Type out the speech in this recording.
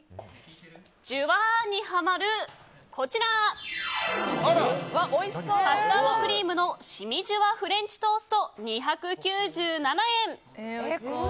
じゅわっ、にハマるカスタードクリームのしみじゅわフレンチトースト２９７円。